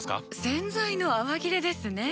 洗剤の泡切れですね。